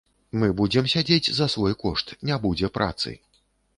Мы будзем сядзець за свой кошт, не будзе працы.